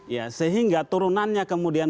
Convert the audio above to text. ya sehingga turunannya kemudian